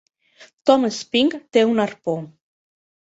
Tom Spink té un arpó.